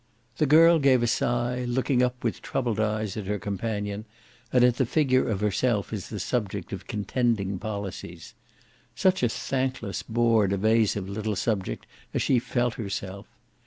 The girl gave a sigh, looking up with troubled eyes at her companion and at the figure of herself as the subject of contending policies. Such a thankless bored evasive little subject as she felt herself!